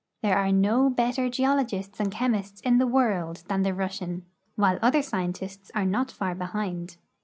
There are no better geologists and chemists in the world than the Russian, Avhile other scientists are not far behind.